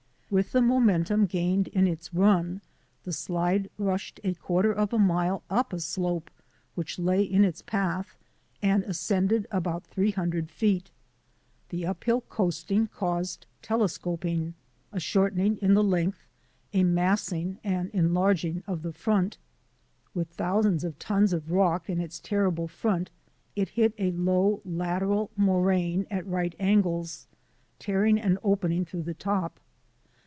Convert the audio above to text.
With the momentum gained in its "run" the slide rushed a quarter of a mile up a slope which lay in its path and ascended about three hundred feet. The up hill coasting caused telescoping; a shorten ing in the length, a massing and enlarging of the front. With thousands of tons of rock in its terrible front it hit a low lateral moraine at right angles, tearing an opening through the top.